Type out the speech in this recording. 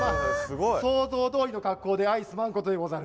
想像どおりの格好であいすまんことでござる。